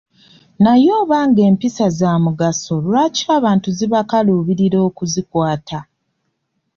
Naye oba ng'empisa za mugaso lwaki abantu zibakaluubirira okuzikwata?